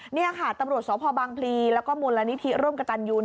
นี่ค่ะตำรวจสพบางพลีแล้วก็มูลนิธิร่วมกับตันยู